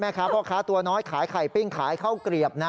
พ่อค้าตัวน้อยขายไข่ปิ้งขายข้าวเกลียบนะ